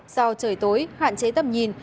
sau trời tối hạn chế tầm nhìn